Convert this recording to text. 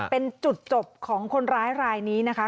เป็นจุดจบของคนร้ายรายนี้นะคะ